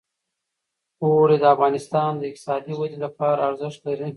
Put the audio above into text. اوړي د افغانستان د اقتصادي ودې لپاره ارزښت لري.